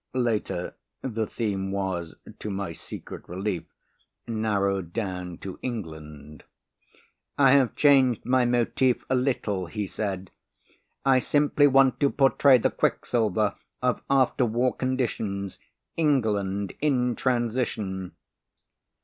Later, the theme was (to my secret relief) narrowed down to England. "I have changed my motif a little," he said. "I simply want to portray the quicksilver of after war conditions England in transition."